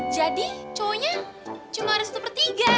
jadi cowoknya cuma harus satu per tiga